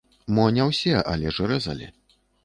Мо не ўсе, але ж рэзалі.